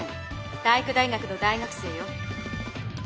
体育大学の大学生よ。